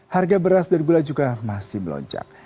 harga beras dan gula juga masih melonjak